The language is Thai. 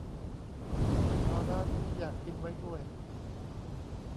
หาร้านที่อยากกินไว้ด้วย